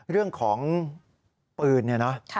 เรื่องของปืน